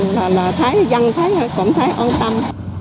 còn là thái dân cũng thấy an tâm